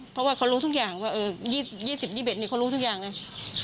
เพราะว่าเขารู้ทุกอย่างว่าเออยี่สิบยี่เบิดนี่เขารู้ทุกอย่างเลย